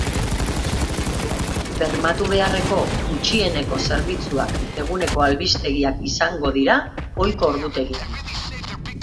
Bermatu beharreko gutxieneko zerbitzuak eguneko albistegiak izango dira, ohiko ordutegian.